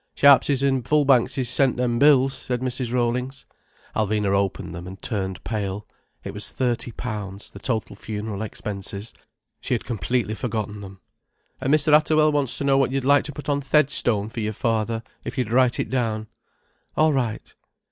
"Sharpses and Fullbankses sent them bills," said Mrs. Rollings. Alvina opened them, and turned pale. It was thirty pounds, the total funeral expenses. She had completely forgotten them. "And Mr. Atterwell wants to know what you'd like put on th' headstone for your father—if you'd write it down." "All right."